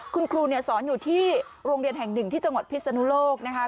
คุณครูเนี่ยสอนอยู่ที่โรงเรียนแห่งหนึ่งที่จังหวัดพิศนุโลกนะคะ